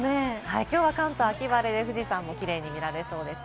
きょうは関東は秋晴れで富士山もキレイに見られそうです。